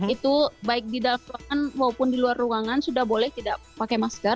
itu baik di dalam ruangan maupun di luar ruangan sudah boleh tidak pakai masker